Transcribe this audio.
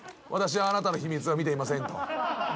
私はあなたの秘密を見ていませんと。